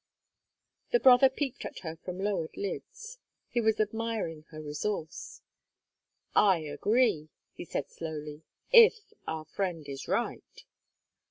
The brother peeped at her from lowered lids. He was admiring her resource. "I agree," he said slowly, "if our friend is right."